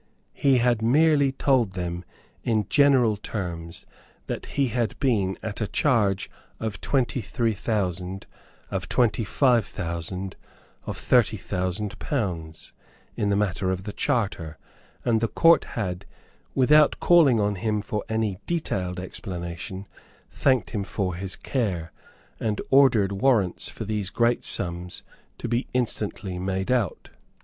He had merely told them in general terms that he had been at a charge of twenty three thousand, of twenty five thousand, of thirty thousand pounds, in the matter of the Charter; and the Court had, without calling on him for any detailed explanation, thanked him for his care, and ordered warrants for these great sums to be instantly made out.